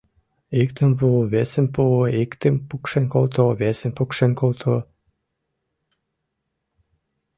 Иктым пу, весым пу, иктым пукшен колто, весым пукшен колто.